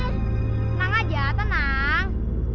tenang aja tenang